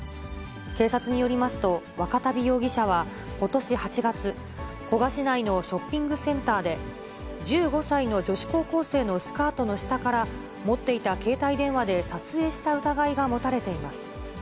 警察によりますと、若旅容疑者はことし８月、古河市内のショッピングセンターで、１５歳の女子高校生のスカートの下から、持っていた携帯電話で撮影した疑いが持たれています。